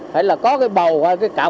phải là có cái bầu hay cái cạp